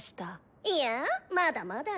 いやまだまだ。